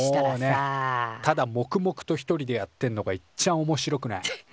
もうねただもくもくと一人でやってんのがいっちゃんおもしろくない。